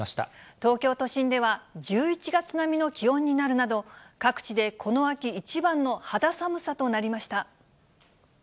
東京都心では、１１月並みの気温になるなど、各地でこの秋一番の肌寒さとなりました。